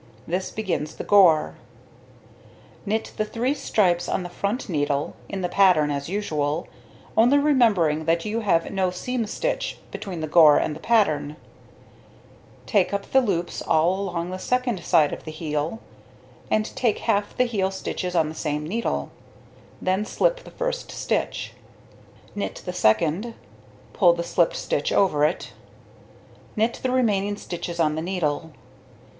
This begins the gore. Knit the 3 stripes on the front needle, in the pattern, as usual, only remembering that you have no seam stitch between the gore and the pattern; take up the loops all along the 2d side of the heel, and take half the heel stitches on the same needle, then slip the 1st stitch, knit the 2d, pull the slipped stitch over it, knit the remaining stitches on the needle.